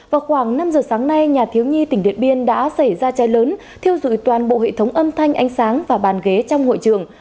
vào khoảng năm giờ sáng nay nhà thiếu nhi tỉnh điện biên đã xảy ra cháy lớn thiêu dụi toàn bộ hệ thống âm thanh ánh sáng và bàn ghế trong hội trường